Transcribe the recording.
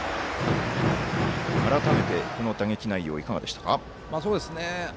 改めて、この打撃内容いかがでしたか？